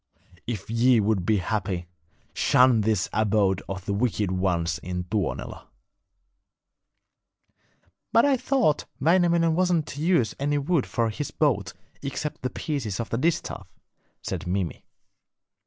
If ye would be happy, shun this abode of the wicked ones in Tuonela.' 'But I thought Wainamoinen wasn't to use any wood for his boat except the pieces of the distaff,' said Mimi.